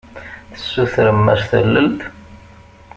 Tessutrem-as tallalt?